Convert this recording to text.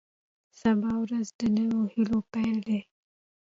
سبا ورځ د نویو هیلو پیل دی.